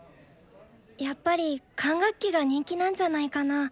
やっぱり管楽器が人気なんじゃないかな？